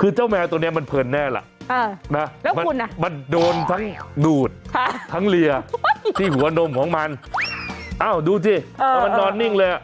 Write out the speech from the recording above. คือเจ้าแมวตัวนี้มันเพลินแน่ล่ะมันโดนทั้งดูดทั้งเหลี่ยที่หัวนมของมันเอ้าดูสิแล้วมันนอนนิ่งเลยอ่ะ